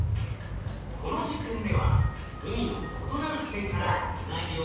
この実験では海の異なる地点からウナギを放流しました。